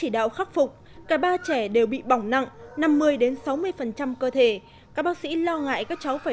đạo khắc phục cả ba trẻ đều bị bỏng nặng năm mươi sáu mươi cơ thể các bác sĩ lo ngại các cháu phải